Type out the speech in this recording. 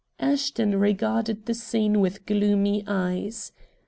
Ashton regarded the scene with gloomy eyes.